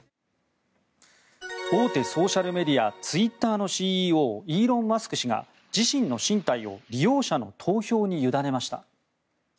大手ソーシャルメディアツイッターのＣＥＯイーロン・マスク氏が自身の進退を利用者の投票にゆだねました。